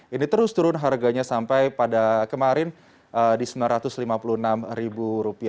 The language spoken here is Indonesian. ini terus turun harganya sampai pada kemarin di rp sembilan ratus lima puluh enam